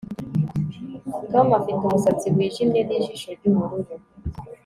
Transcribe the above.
Tom afite umusatsi wijimye nijisho ryubururu